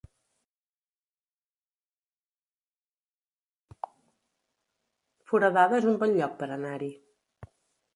Foradada es un bon lloc per anar-hi